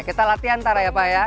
kita latihan tara ya pak ya